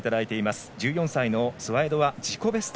１４歳のスワエドは自己ベスト。